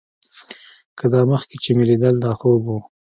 که دا مخکې چې مې ليدل دا خوب و.